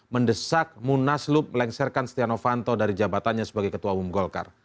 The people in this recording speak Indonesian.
mendesak munaslub melengsarkan stiano vanto dari jabatannya sebagai ketua umum golkar